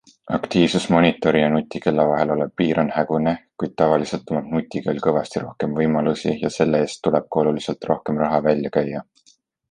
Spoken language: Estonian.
Aktiivsusmonitori ja nutikella vahel olev piir on hägune, kuid tavaliselt omab nutikell kõvasti rohkem võimalusi ja selle eest tuleb ka oluliselt rohkem raha välja käia.